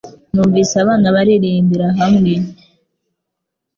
Numvise abana baririmbira hamwe